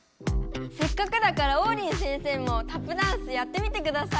せっかくだからオウリン先生もタップダンスやってみてください。